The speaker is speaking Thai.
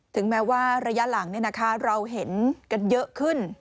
ถึงแม้ว่าระยะหลังเราเห็นกันเยอะขึ้น